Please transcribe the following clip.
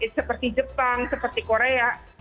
seperti jepang seperti korea